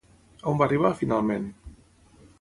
On va arribar, finalment?